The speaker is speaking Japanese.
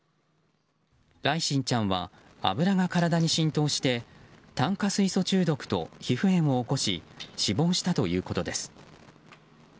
來心ちゃんは油が体に浸透して炭化水素中毒と皮膚炎を起こし死亡したということです。